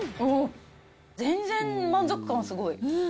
全然、満足感はすごい。